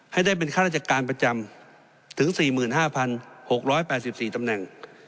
ให้ได้เป็นข้าราชการประจำถึง๔๕๖๘๔ตำแหน่ง